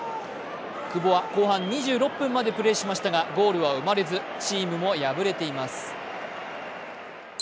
久保は後半２６分までプレーしましたが、ゴールは生まれずチームも敗れています。